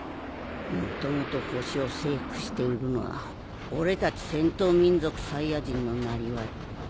もともと星を征服して売るのは俺たち戦闘民族サイヤ人のなりわい。